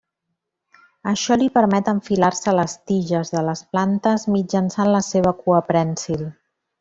Això li permet enfilar-se a les tiges de les plantes mitjançant la seva cua prènsil.